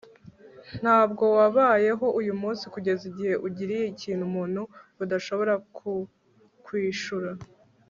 ntabwo wabayeho uyu munsi kugeza igihe ugiriye ikintu umuntu udashobora kukwishura